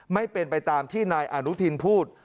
ไม่เป็นไปตามที่นายอนุทินพูด